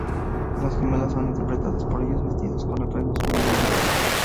Las gemelas son interpretadas por ellos, vestidos con atuendos unidos entre sí.